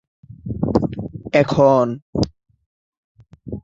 এদিকে কমলা জানতে পারে এটা তার মিথ্যে সংসার।